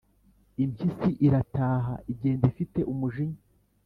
» impyisi irataha, igenda ifite umujinya,